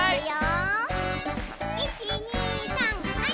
１２３はい！